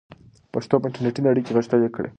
پښتو په انټرنیټي نړۍ کې غښتلې کړئ.